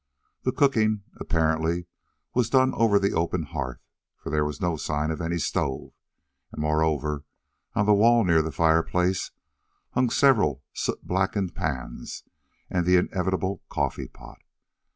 The cooking, apparently, was done over the open hearth, for there was no sign of any stove, and, moreover, on the wall near the fireplace hung several soot blackened pans and the inevitable coffeepot.